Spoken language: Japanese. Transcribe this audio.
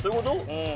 うん。